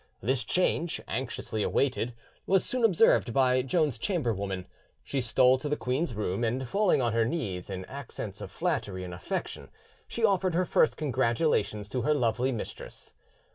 This change, anxiously awaited, was soon observed by Joan's chamberwoman: she stole to the queen's room, and falling on her knees, in accents of flattery and affection, she offered her first congratulations to her lovely mistress.